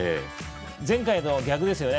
前回と逆ですね。